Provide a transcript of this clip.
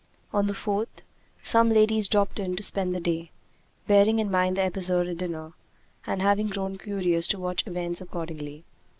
On the fourth, some ladies dropped in to spend the day, bearing in mind the episode at the dinner, and having grown curious to watch events accordingly.